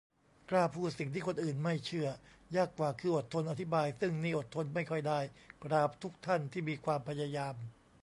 กล้าพูดสิ่งที่คนอื่นไม่เชื่อ ยากกว่าคืออดทนอธิบาย ซึ่งนี่อดทนไม่ค่อยได้ กราบทุกท่านที่มีความพยายาม